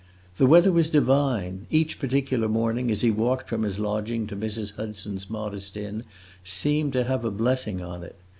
The weather was divine; each particular morning, as he walked from his lodging to Mrs. Hudson's modest inn, seemed to have a blessing upon it.